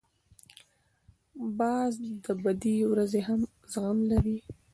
باز د بدې ورځې هم زغم لري